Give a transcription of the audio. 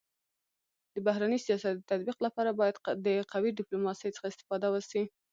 د بهرني سیاست د تطبيق لپاره باید د قوي ډيپلوماسی څخه استفاده وسي.